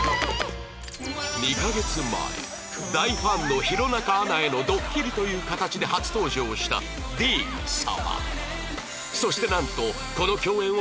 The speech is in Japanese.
２カ月前大ファンの弘中アナへのドッキリという形で初登場したディーン様